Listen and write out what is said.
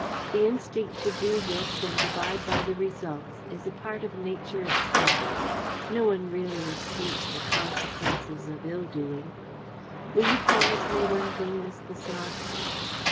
The instinct to do this and abide by the results is a part of nature itself. No one really escapes the consequences of ill doing. Will you promise me one thing, Miss Besant?"